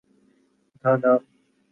Ghana